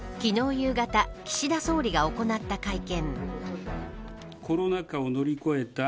夕方岸田総理が行った会見。